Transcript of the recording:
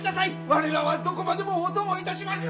我らはどこまでもお供いたします！